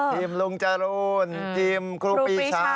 ทีมลงจรูนเทียมกรูปีชา